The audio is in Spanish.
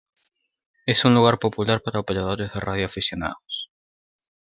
Es un lugar popular para operadores de radio aficionados.